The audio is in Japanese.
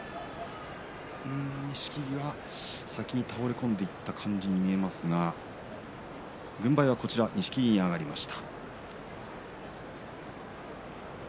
錦木が先に倒れ込んでいった感じに見えますが軍配は錦木に上がりました。